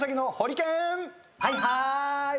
はいはーい。